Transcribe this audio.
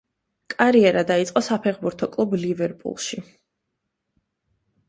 კარიერა დაიწყო საფეხბურთო კლუბ „ლივერპულში“.